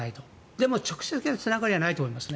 でも、直接的なつながりはないと思います。